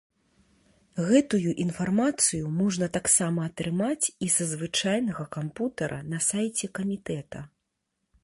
Гэтую інфармацыю можна таксама атрымаць і са звычайнага кампутара на сайце камітэта.